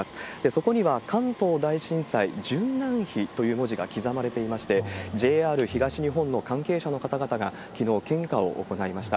そこには関東大震災殉難碑という文字が刻まれていまして、ＪＲ東日本の関係者の方々がきのう、献花を行いました。